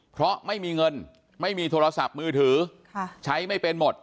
เพราะไม่มีเงินไม่มีโทรศัพท์มือถือใช้ไม่เป็นหมด